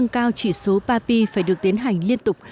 nâng cao chỉ số papi phải được tiến hành liên tục